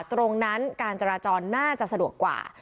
ตรงนั้นการจราจรน่าจะสะดวกกว่า